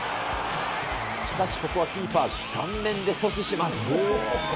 しかしここはキーパー、、顔面で阻止します。